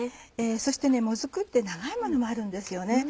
そしてもずくって長いものもあるんですよね。